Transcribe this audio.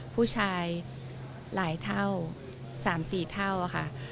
ผู้ชายหลายเท่า๓๔เท่าค่ะ